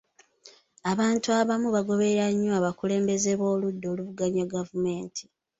Abantu abamu bagoberera nnyo abakulembeze b'oludda oluvuganya gavumenti.